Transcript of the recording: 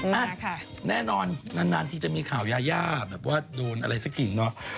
อ่ะค่ะแน่นอนนานทีจะมีข่าวยายาแบบว่าโดนอะไรสักทีเนาะ